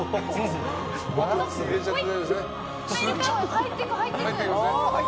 入っていく、入っていく。